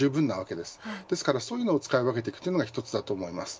ですからそういうのを使い分けていくことが一つだと思います。